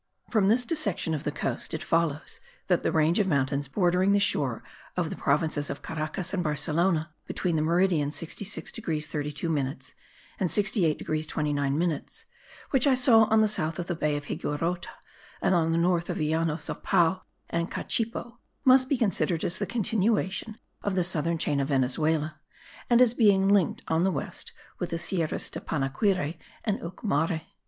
From this dissection of the coast it follows that the range of mountains bordering the shore of the provinces of Caracas and Barcelona, between the meridian 66 degrees 32 minutes and 68 degrees 29 minutes (which I saw on the south of the bay of Higuerote and on the north of the Llanos of Pao and Cachipo), must be considered as the continuation of the southern chain of Venezuela and as being linked on the west with the Sierras de Panaquire and Ocumare.